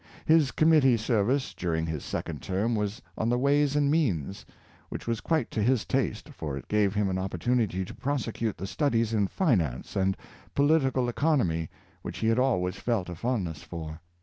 His committee service during his second term was on the Ways and Means, which was quite to his yames A. Garfield, 177 taste, for it gave him an opportunity to prosecute the studies in finance and poHtical economy which he had always felt a fondness for.